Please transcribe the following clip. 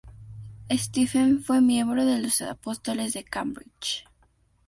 Stephen fue miembro de los Apóstoles de Cambridge.